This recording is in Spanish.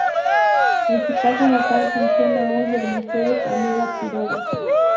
En su casa natal funciona hoy el Museo Camila Quiroga.